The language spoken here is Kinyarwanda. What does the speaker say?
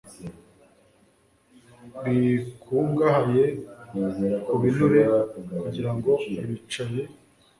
bikungahaye ku binure, kugira ngo abicaye